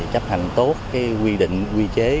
chấp hành tốt quy định quy chế